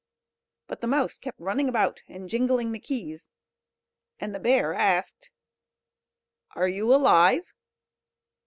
But the mouse kept running about, and jingling the keys. And the bear asked: "Are you alive?"